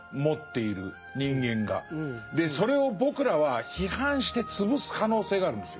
それを僕らは批判して潰す可能性があるんですよ。